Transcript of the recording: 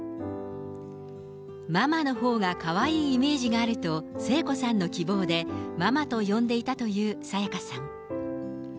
ママのほうがかわいいイメージがあると、聖子さんの希望でママと呼んでいたという沙也加さん。